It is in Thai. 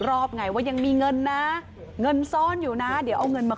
รอบไงว่ายังมีเงินนะเงินซ่อนอยู่นะเดี๋ยวเอาเงินมา